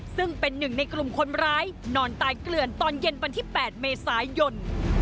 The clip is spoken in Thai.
ซึ่งเป็นหนึ่งในกลุ่มคนร้ายนอนตายเกลื่อนตอนเย็นวันที่๘เมษายน